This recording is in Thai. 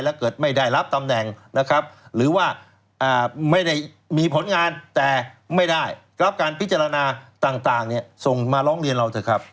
แล้วเกิดไม่ได้รับตำแหน่งนะครับหรือว่าไม่ได้มีผลงานแต่ไม่ได้รับการพิจารณาต่างเนี่ยส่งมาร้องเรียนเราเถอะครับ